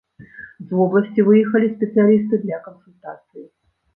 З вобласці выехалі спецыялісты для кансультацыі.